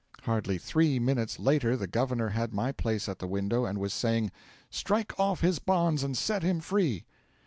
Hardly three minutes later the governor had my place at the window, and was saying: 'Strike off his bonds and set him free!'